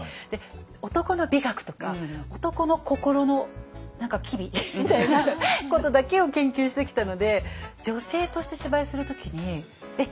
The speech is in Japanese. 男の美学とか男の心の機微みたいなことだけを研究してきたので女性として芝居をする時にえっ